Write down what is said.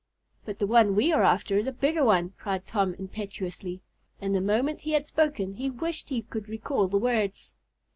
"But the one we are after is a bigger one," cried Tom impetuously, and the moment he had spoken he wished he could recall the words.